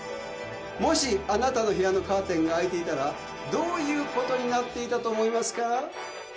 もしあなたの部屋のカーテンが開いていたらどういうことになっていたと思いますか？